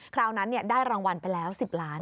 คราวนั้นได้รางวัลไปแล้ว๑๐ล้าน